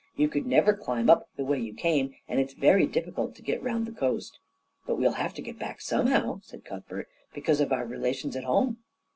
You could never climb up the way you came, and it's very difficult to get round the coast." "But we'll have to get back somehow," said Cuthbert, "because of our relations at home."